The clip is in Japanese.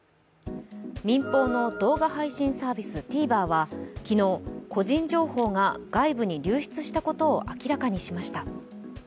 民放の動画配信サービス、ＴＶｅｒは個人情報が外部に流出したことを明らかにしました。